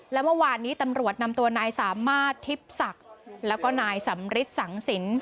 และเมื่อวานนี้ตำรวจนำตัวนายสามารถทิพย์ศักดิ์แล้วก็นายสำริทสังสิน